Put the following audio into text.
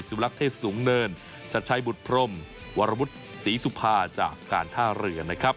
ลักษ์เทศสูงเนินชัดชัยบุตรพรมวรวุฒิศรีสุภาจากการท่าเรือนะครับ